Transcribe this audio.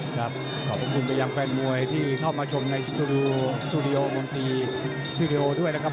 ครับขอบคุณประยังแฟนมวยที่เทาะมาชมในสตูดีโอมงตีและสีดีโอด้วยนะครับ